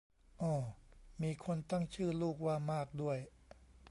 อ้อมีคนตั้งชื่อลูกว่ามากด้วย